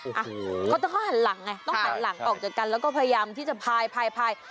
เขาต้องหันหลังไงต้องหันหลังออกจากกันแล้วก็พยายามที่จะพาย